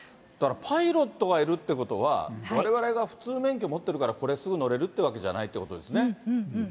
だからパイロットがいるってことは、われわれが普通免許持ってるから、これすぐ乗れるというわけじゃないってことですね。